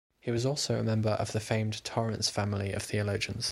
He was also a member of the famed Torrance family of theologians.